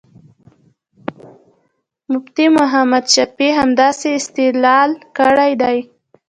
مفتي محمد شفیع همدغسې استدلال کړی دی.